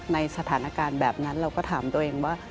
ในสถานการณ์แบบนั้นเราก็ถามตัวเองว่า